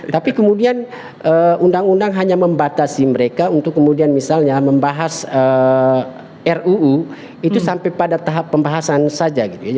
tapi kemudian undang undang hanya membatasi mereka untuk kemudian misalnya membahas ruu itu sampai pada tahap pembahasan saja gitu